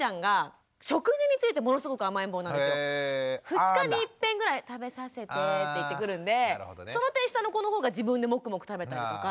２日にいっぺんぐらい「食べさせて」って言ってくるんでその点下の子のほうが自分でもくもく食べたりとか。